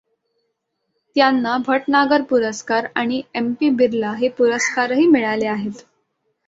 त्यांना भटनागर पुरस्कार आणि एम. पी. बिरला हे पुरस्कारही मिळाले आहेत.